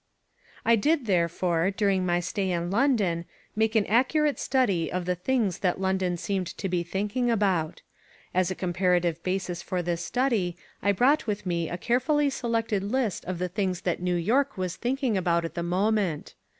I did therefore, during my stay in London, make an accurate study of the things that London seemed to be thinking about. As a comparative basis for this study I brought with me a carefully selected list of the things that New York was thinking about at the moment.